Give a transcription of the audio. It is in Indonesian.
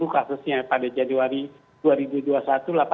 kalau bisa bagaimana mungkin itu bisa